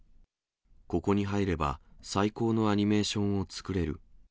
ここに入れば、最高のアニメーションを作れる。